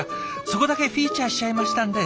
そこだけフィーチャーしちゃいましたんで。